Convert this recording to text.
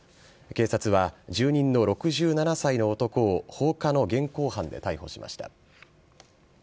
警察は住民の６７歳の男を放火の現行犯で逮捕しました。